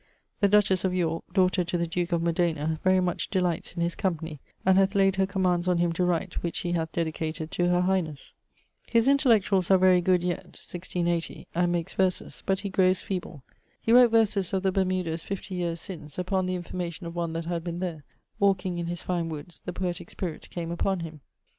The dutches of Yorke (daughter to the duke of Modena) very much delights his company, and hath layed her commands on him to write, which he hath dedicated to her highnes. His intellectualls are very good yet (1680), and makes verses; but he growes feeble. He wrote verses of the Bermudas 50 yeares since, upon the information of one that had been there; walking in his fine woods, the poetique spirit came upon him.